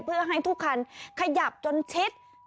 เพื่อให้ทุกคันขยับจนชิดเนี่ยค่ะ